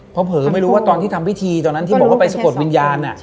เผลอไม่รู้ว่าตอนที่ทำพิธีตอนนั้นที่บอกว่าไปสะกดวิญญาณ